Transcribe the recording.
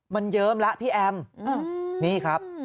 มันเยิ้มแล้วพี่แอมนี่ครับ